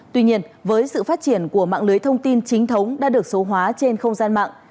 tuy nhiên với sự phát triển của mạng lưới thông tin chính thống đã được số hóa trên không gian mạng